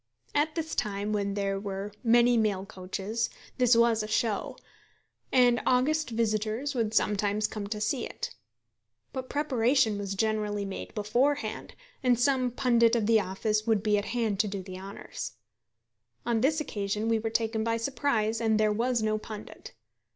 At this time, when there were many mail coaches, this was a show, and august visitors would sometimes come to see it. But preparation was generally made beforehand, and some pundit of the office would be at hand to do the honours. On this occasion we were taken by surprise, and there was no pundit.